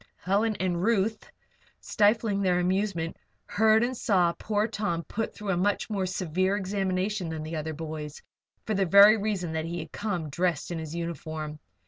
Helen and Ruth, stifling their amusement, heard and saw poor Tom put through a much more severe examination than the other boys, for the very reason that he had come dressed in his uniform.